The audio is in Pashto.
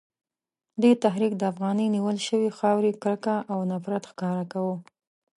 دې تحریک د افغاني نیول شوې خاورې کرکه او نفرت ښکاره کاوه.